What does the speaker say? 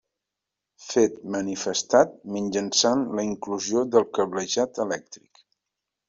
Fet manifestat mitjançant la inclusió del cablejat elèctric.